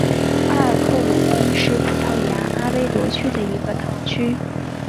阿尔克鲁宾是葡萄牙阿威罗区的一个堂区。